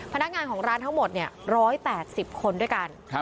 พนักงานของร้านทั้งหมด๑๘๐คนด้วยกัน